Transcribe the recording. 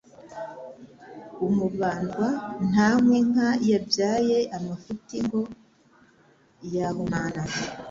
Umubandwa ntanywa inka yabyaye amafuti, ngo yahumana,